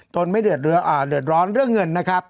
ตนไม่เดือดเรืออ่าเดือดร้อนเรื่องเงินนะครับ